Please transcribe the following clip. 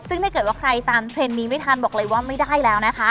ซึ่งถ้าเกิดว่าใครตามเทรนด์นี้ไม่ทันบอกเลยว่าไม่ได้แล้วนะคะ